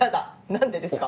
何でですか？